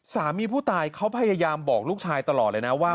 สามีผู้ตายเขาพยายามบอกลูกชายตลอดเลยนะว่า